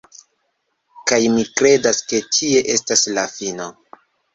Kaj mi kredas ke tie estas la fino